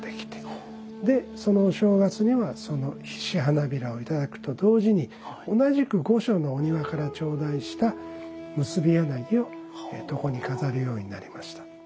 でお正月にはその菱葩をいただくと同時に同じく御所のお庭から頂戴した結柳を床に飾るようになりました。